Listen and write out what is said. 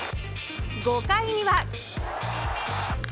５回には。